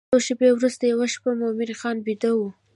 څو شپې وروسته یوه شپه مومن خان بیده و.